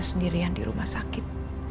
sendirian di rumah sakit